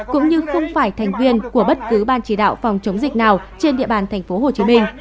cũng như không phải thành viên của bất cứ ban chỉ đạo phòng chống dịch nào trên địa bàn tp hcm